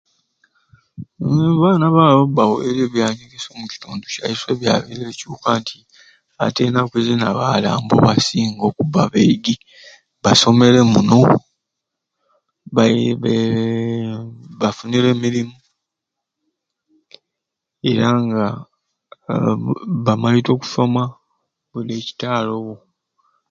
Uumm abaana obawe obbaweerya ebyanyegesya omukitundu kyaiswe byabire bicuuka nti ati ennaku zini abaala nibo basinga okubba abeegi basomere muno bai beee bafunire emirimu era nga aa bu bamaite okusoma budi ekitaaluwo.